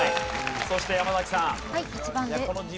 そして山崎さん。